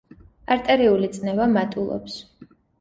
არტერიული წნევა მატულობს.